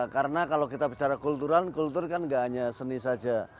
karena kalau kita bicara kultur kan gak hanya seni saja